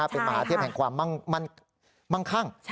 เป็นมหาเทพแห่งความมั่งคั่ง